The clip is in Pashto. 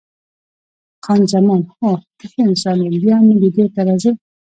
خان زمان: هو، ته ښه انسان یې، بیا مې لیدو ته راځې؟